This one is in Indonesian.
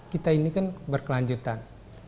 kita ini kan berkelanjutan